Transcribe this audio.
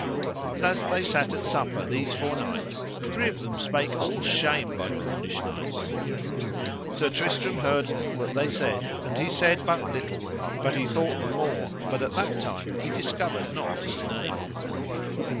And as they sat at supper these four knights, three of them spake all shame by Cornish knights. Sir Tristram heard all that they said and he said but little, but he thought the more, but at that time he discovered not his name.